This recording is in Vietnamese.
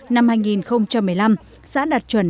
năm hai nghìn một mươi năm xã đạt chuẩn